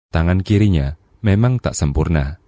tangan kirinya memang tak sempurna